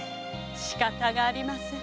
しかたありません。